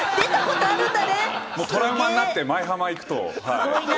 トラウマになって、舞浜行くと、はい。